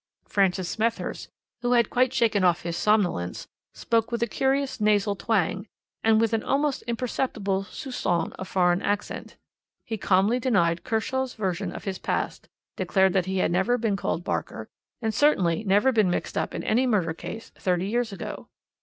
Francis Smethurst, who had quite shaken off his somnolence, spoke with a curious nasal twang, and with an almost imperceptible soupçon of foreign accent, He calmly denied Kershaw's version of his past; declared that he had never been called Barker, and had certainly never been mixed up in any murder case thirty years ago.